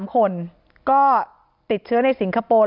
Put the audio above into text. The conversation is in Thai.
๓คนก็ติดเชื้อในสิงคโปร์